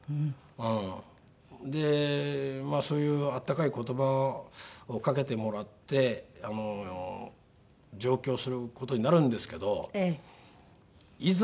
でまあそういうあったかい言葉をかけてもらって上京する事になるんですけどいざ